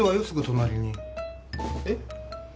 すぐ隣にえっ？